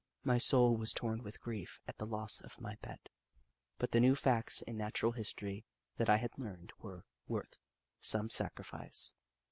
My soul was torn with grief at the loss of my pet, but the new facts in Natural History that I had learned were worth some sacrifice.